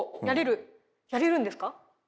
やれる？やれるんですか？